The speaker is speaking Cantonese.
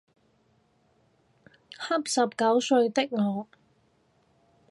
恰十九歲的我